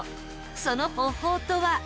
その方法とは？